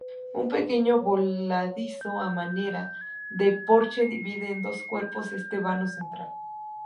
Un pequeño voladizo a manera de porche divide en dos cuerpos este vano central.